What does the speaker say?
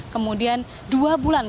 kemudian dua bulan